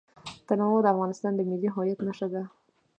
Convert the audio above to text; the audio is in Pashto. تنوع د افغانستان د ملي هویت نښه ده.